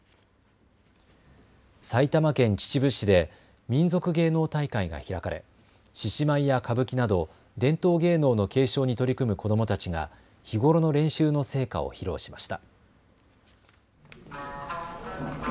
埼玉県秩父市で民族芸能大会が開かれ獅子舞や歌舞伎など伝統芸能の継承に取り組む子どもたちが日頃の練習の成果を披露しました。